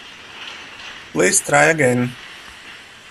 Please try again.